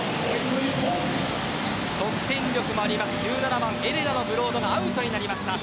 得点力もある１７番、エレラのブロードがアウトになりました。